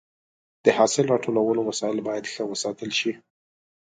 د حاصل راټولولو وسایل باید ښه وساتل شي.